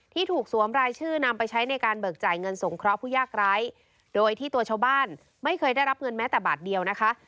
ถูกสวมรายชื่อนำไปใช้ในการเบิกจ่ายเงินสงเคราะห์ผู้ยากไร้โดยที่ตัวชาวบ้านไม่เคยได้รับเงินแม้แต่บาทเดียวนะคะ